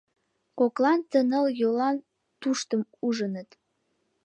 Коклан ты ныл йолан туштым ужыныт.